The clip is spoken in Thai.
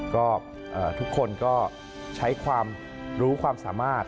ก็ทุกคนก็ใช้ความรู้ความสามารถ